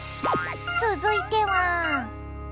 続いては？